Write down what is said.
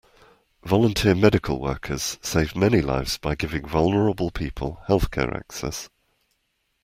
Volunteer Medical workers save many lives by giving vulnerable people health-care access